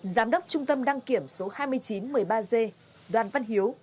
giám đốc trung tâm đăng kiểm số hai nghìn chín trăm một mươi ba g đoàn văn hiếu